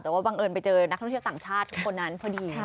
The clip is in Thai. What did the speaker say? แต่ว่าบังเอิญไปเจอนักท่องเที่ยวต่างชาติทุกคนนั้นพอดี